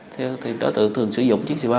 thì đối tượng thường sử dụng chiếc xe bò